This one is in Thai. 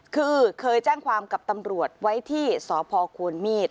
คือเคยแจ้งความกับตำรวจไว้ที่สพควรมีด